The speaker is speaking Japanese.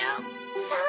そう！